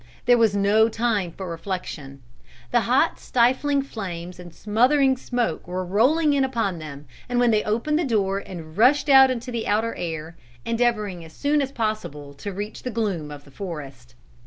There was no time for reflection. The hot stifling flames and smothering smoke were rolling in upon them, when they opened the door and rushed out into the outer air, endeavoring as soon as possible to reach the gloom of the forest.